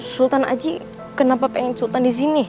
sultan aji kenapa pengen sultan disini